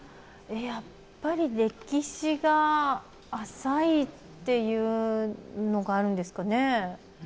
やっぱり歴史が浅いっていうのがあるんですかね。